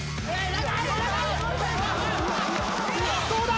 どうだ？